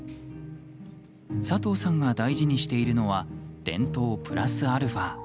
佐藤さんが大事にしているのは伝統プラスアルファ。